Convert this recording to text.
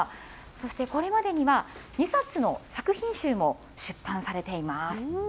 そしてこれまでには、２冊の作品集も出版されています。